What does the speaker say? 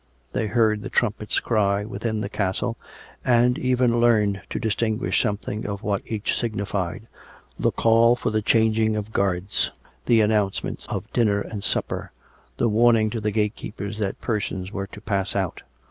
They heard the trumpets' cry within the castle; and even learned to distinguish some thing of what each signified — the call for the changing of guards, the announcement of dinner and supper; the warning to the gatekeepers that persons were to pass out.